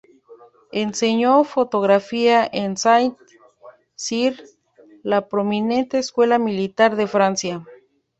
Enseñó fotografía en Saint-Cyr, la prominente escuela militar de Francia.